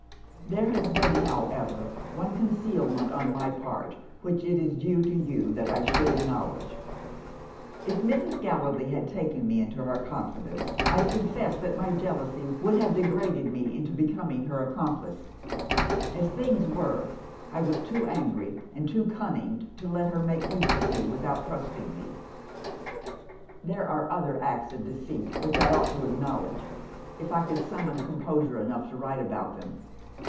There has been, however, one concealment on my part, which it is due to you that I should acknowledge. "'If Mrs. Gallilee had taken me into her confidence, I confess that my jealousy would have degraded me into becoming her accomplice. As things were, I was too angry and too cunning to let her make use of me without trusting me. "'There are other acts of deceit which I ought to acknowledge if I could summon composure enough to write about them.